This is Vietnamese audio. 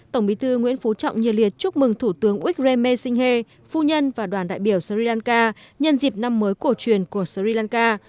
tổng bí thư nguyễn phú trọng nhiên liệt chúc mừng thủ tướng wickremi sinh hê phu nhân và đoàn đại biểu sri lanka nhân dịp năm mới cổ truyền của sri lanka